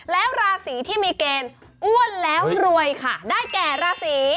แล้วราศีที่มีเกณฑ์อ้วนแล้วรวยค่ะได้แก่ราศี